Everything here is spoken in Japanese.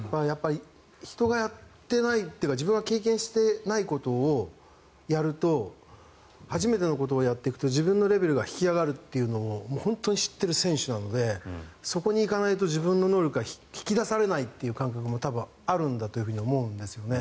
人がやっていないというか自分が経験していないことをやると初めてのことをやっていくと自分のレベルが引き上がるというのを本当に知っている選手なのでそこに行かないと自分の能力が引き出されないという感覚もあるんだと思うんですよね。